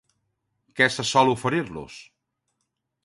Què se sol oferir-los?